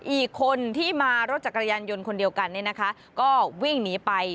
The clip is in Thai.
อีกคนที่มารถจักรยานยนต์คนเดียวกันก็วิ่งหนีไป